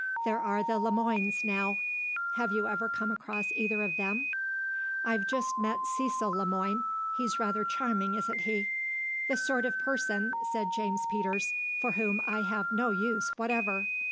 There are the Le Moines, now. Have you ever come across either of them?" "I've just met Cecil Le Moine. He's rather charming, isn't he?" "The sort of person," said James Peters, "for whom I have no use whatever.